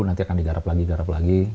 nanti akan digarap lagi garap lagi